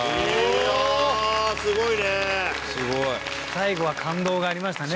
最後は感動がありましたね。